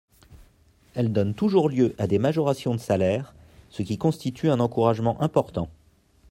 Elles donnent toujours lieu à des majorations de salaire, ce qui constitue un encouragement important.